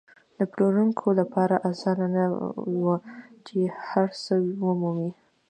د پلورونکو لپاره اسانه نه وه چې هر څه ومومي.